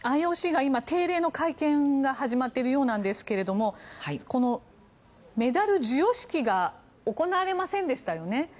ＩＯＣが今、定例の会見が始まっているようなんですけどもメダル授与式が行われませんでしたよね。